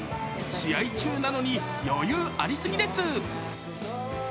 試合中なのに余裕ありすぎです。